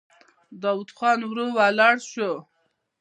داوود خان ورو ولاړ شو.